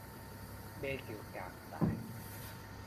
咩叫革大